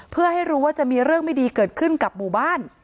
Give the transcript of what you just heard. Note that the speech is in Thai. เพื่อให้รู้ว่าจะมีเรื่องไม่ดีเกิดขึ้นกับหมู่บ้าน